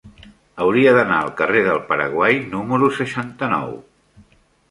Hauria d'anar al carrer del Paraguai número seixanta-nou.